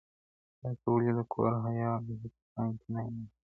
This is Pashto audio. تاسو ولې د کور حیا او عزت په پام کې نه نیسئ؟